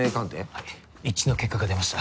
はい一致の結果が出ました。